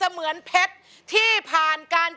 เพื่อพลังสะท้าของคนลูกทุก